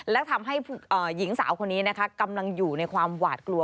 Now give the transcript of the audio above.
และทำให้หญิงสาวคนนี้นะคะกำลังอยู่ในความหวาดกลัว